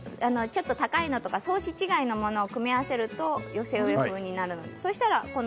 ちょっと高いものとか違うものを組み合わせると寄せ植え風になる。